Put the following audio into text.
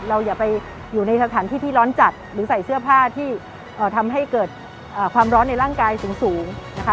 อย่าไปอยู่ในสถานที่ที่ร้อนจัดหรือใส่เสื้อผ้าที่ทำให้เกิดความร้อนในร่างกายสูงนะคะ